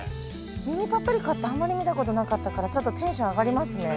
ミニパプリカってあんまり見たことなかったからちょっとテンション上がりますね。